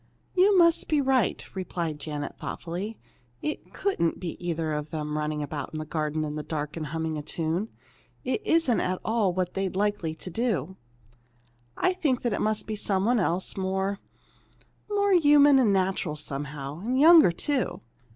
"You must be right," replied Janet, thoughtfully. "It couldn't be either of them running about in the garden in the dark and humming a tune. It isn't at all what they'd be likely to do. I think it must be some one else, more more human and natural, somehow. And younger, too.